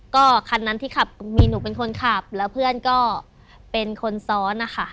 ก็คันนั้นที่ขับมีหนูเป็นคนขับแล้วเพื่อนก็เป็นคนซ้อนนะคะ